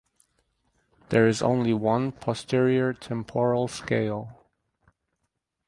There is only one posterior temporal scale.